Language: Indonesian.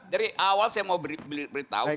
dari awal saya mau beritahu